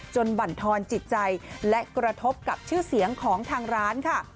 บรรทอนจิตใจและกระทบกับชื่อเสียงของทางร้านค่ะ